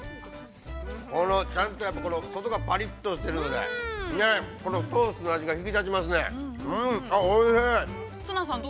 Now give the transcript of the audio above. ちゃんと外がパリッとしているのでこのソースの味が引き立ちますね。